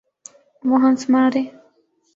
وہ ہنس مارے۔